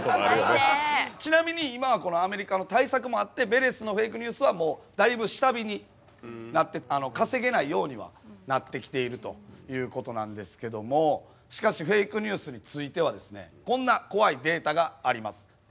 ちなみに今はアメリカの対策もあってヴェレスのフェイクニュースはだいぶ下火になって稼げないようにはなってきているということなんですけどもしかしフェイクニュースについてはこんな怖いデータがあります。